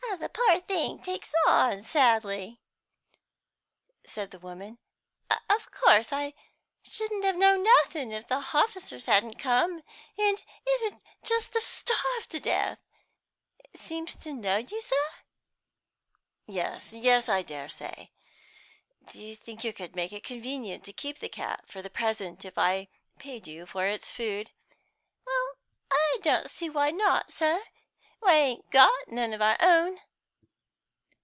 "The poor thing takes on sadly," said the woman. "Of course I shouldn't have known nothing if the hofficers hadn't come, and it 'ud just have starved to death. It seems to know you, sir?" "Yes, yes, I dare say. Do you think you could make it convenient to keep the cat for the present, if I paid you for its food?" "Well, I don't see why not, sir; we ain't got none of our own."